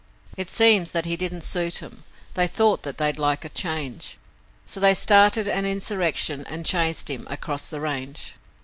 It seems that he didn't suit 'em they thought that they'd like a change, So they started an insurrection and chased him across the range.